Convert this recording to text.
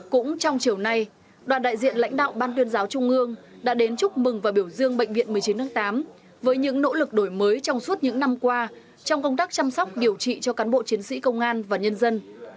cũng trong chiều nay đoàn đại diện lãnh đạo ban tuyên giáo trung ương đã đến chúc mừng và biểu dương bệnh viện một mươi chín tháng tám với những nỗ lực đổi mới trong suốt những năm qua trong công tác chăm sóc điều trị cho cán bộ chiến sĩ công an và nhân dân